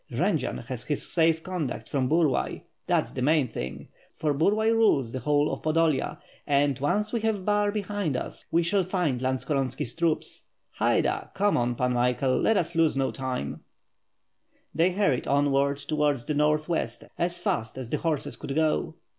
Jendzian has his safe conduct from Burlay, that's the main thing, for Bur lay rules the whole of Podolia, and once we have Bar behind us, we shall find Lantskorontski's troops. Haida! Come on Pan Michael, let us lose no time/' They hurried onward towards the northwest as fast as the horses could go.